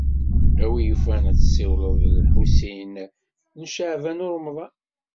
A win yufan, ad tessiwleḍ ed Lḥusin n Caɛban u Ṛemḍan.